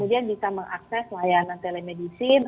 kemudian bisa mengakses layanan telemedicine